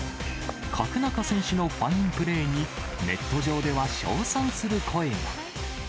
角中選手のファインプレーに、ネット上では称賛する声が。